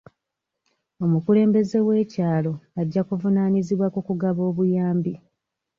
Omukulembeze w'ekyalo ajja kuvunaanyizibwa ku kugaba obuyambi.